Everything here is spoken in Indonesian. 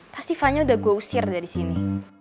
pasti vanya udah gue usir dari sini